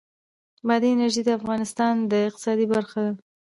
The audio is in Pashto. بادي انرژي د افغانستان د اقتصاد برخه ده.